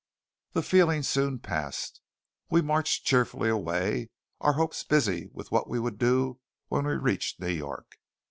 The feeling soon passed. We marched cheerfully away, our hopes busy with what we would do when we reached New York.